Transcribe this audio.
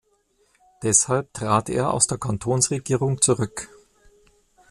Deshalb trat er aus der Kantonsregierung zurück.